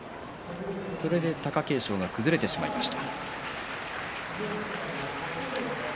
そこで貴景勝が崩れてしまいました。